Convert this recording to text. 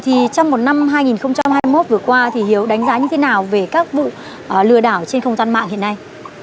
trong một năm hai nghìn hai mươi một vừa qua thì hiếu đánh giá như thế nào về các vụ lừa đảo trên không gian mạng hiện nay